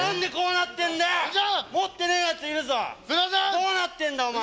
どうなってんだお前！